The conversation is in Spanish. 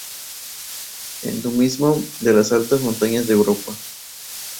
Endemismo de las altas montañas de Europa.